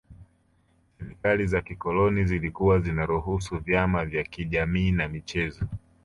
Serikali za kikoloni zilikuwa zinaruhusu vyama vya kijamii na michezo